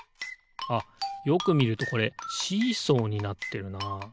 あっよくみるとこれシーソーになってるな。